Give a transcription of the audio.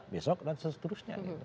besok dan seterusnya